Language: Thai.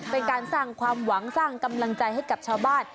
เป็นการสร้างความหวังสร้างกำลังใจให้กับชาวบ้าน